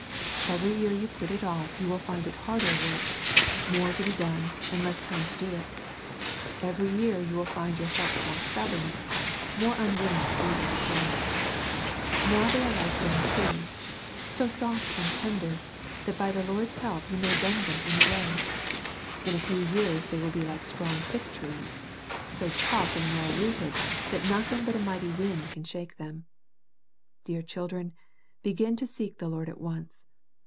Every year you put it off you will find it harder work, — more to be done, and less time to do it. Every year you will find your hearts more stubborn, — more unwilling to do what is right. Now they are like young trees, — so soft aiKl tender, that by the Lord's help you may bend them any way. In a few years they will be like strong thick trees, — so tough and well rooted, that nothing but a mighty wind can shake them. Dear children, begin to seek the Lord at once.